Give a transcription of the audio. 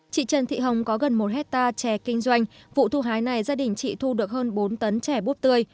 chị trần thị hồng có gần một hectare trẻ kinh doanh vụ thu hái này gia đình chị thu được hơn bốn tấn trẻ búp tươi